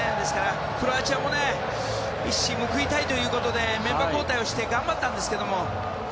クロアチアも一矢報いたいということでメンバー交代をして頑張ったんですけども。